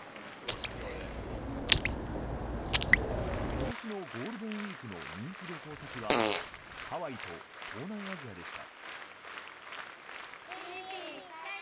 今年のゴールデンウィークの人気旅行先はハワイと東南アジアでした。